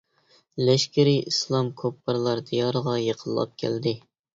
لەشكىرى ئىسلام كۇپپارلار دىيارىغا يېقىنلاپ كەلدى.